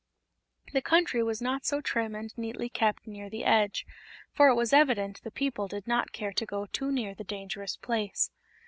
The country was not so trim and neatly kept near the edge, for it was evident the people did not care to go too near to the dangerous place.